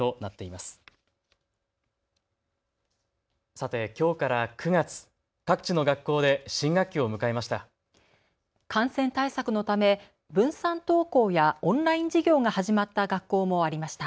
さて、きょうから９月、各地の学校で新学期を迎えました。